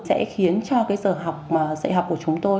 sẽ khiến cho cái dạy học của chúng tôi